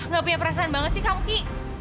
gak punya perasaan banget sih kamu ki